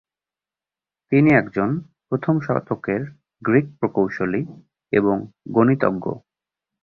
তিনি একজন প্রথম শতকের গ্রিক প্রকৌশলী এবং গণিতজ্ঞ।